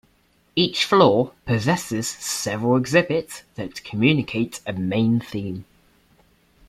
Each floor possesses several exhibits that communicate a main theme.